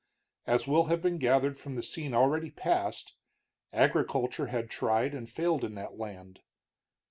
As will have been gathered from the scene already passed, agriculture had tried and failed in that land.